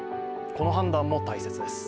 この判断も大切です。